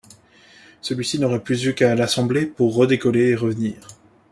Celui-ci n’aurait plus eu qu'à l'assembler pour redécoller et revenir.